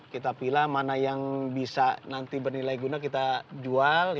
kita pilih mana yang bisa nanti bernilai guna kita jual